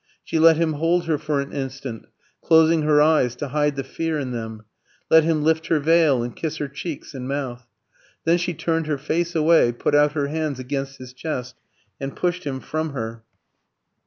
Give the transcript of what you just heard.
She let him hold her for an instant, closing her eyes to hide the fear in them; let him lift her veil and kiss her cheeks and mouth. Then she turned her face away, put out her hands against his chest, and pushed him from her.